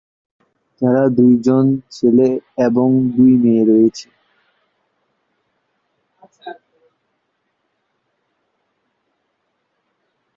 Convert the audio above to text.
তার দুইজন ছেলে এবং দুই মেয়ে রয়েছে।